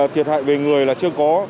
thiệt hại về người là chưa có